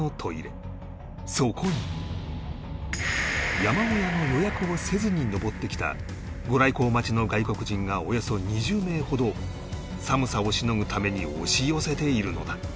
そこに山小屋の予約をせずに登ってきた御来光待ちの外国人がおよそ２０名ほど寒さをしのぐために押し寄せているのだ